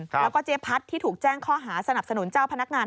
แล้วก็เจ๊พัดที่ถูกแจ้งข้อหาสนับสนุนเจ้าพนักงาน